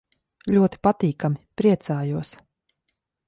Ļoti patīkami. Priecājos.